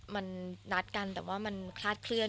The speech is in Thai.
มันนัดกันแต่ว่ามันคลาดเคลื่อน